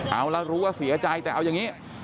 เอาละรู้ว่าเสียใจแต่เอาอย่างนี้